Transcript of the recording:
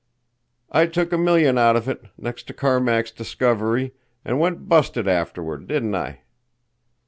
"I took a million out of it, next to Carmack's Discovery—an' went busted afterward, didn't I?"